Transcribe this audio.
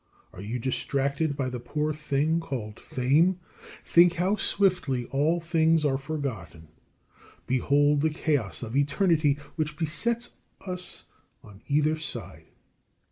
Are you distracted by the poor thing called fame? Think how swiftly all things are forgotten. Behold the chaos of eternity which besets us on either side.